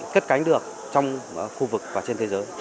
cất cánh được trong khu vực và trên thế giới